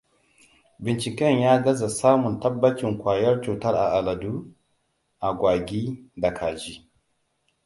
Binciken ya gaza samun tabbacin kwayar cutar a aladu, agwagi da kaji.